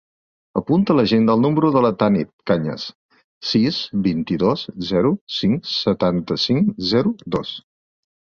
Apunta a l'agenda el número de la Tanit Cañas: sis, vint-i-dos, zero, cinc, setanta-cinc, zero, dos.